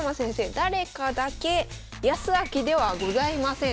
誰かだけヤスアキではございません。